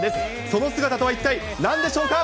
その姿とは一体何でしょうか。